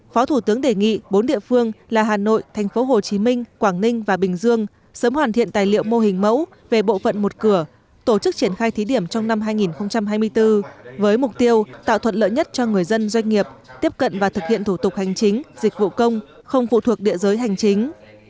phó thủ tướng đề nghị bốn địa phương là hà nội thành phố hồ chí minh quảng ninh và bình dương sớm hoàn thiện tài liệu mô hình mẫu về bộ phận một cửa tổ chức triển khai thí điểm trong năm hai nghìn hai mươi bốn với mục tiêu tạo thuận lợi nhất cho người dân doanh nghiệp tiếp cận và thực hiện thủ tục hành chính dịch vụ công không phụ thuộc địa giới hành chính